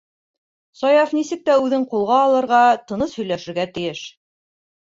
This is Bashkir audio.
Саяф нисек тә үҙен ҡулға алырға, тыныс һөйләшергә тейеш.